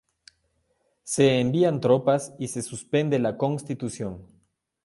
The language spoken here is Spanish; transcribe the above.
Se envían tropas y se suspende la Constitución.